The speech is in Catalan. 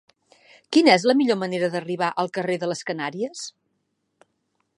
Quina és la millor manera d'arribar al carrer de les Canàries?